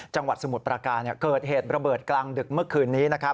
สมุทรประการเกิดเหตุระเบิดกลางดึกเมื่อคืนนี้